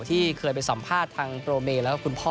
ที่เคยไปสัมภาษณ์ทางโปรเมแล้วก็คุณพ่อ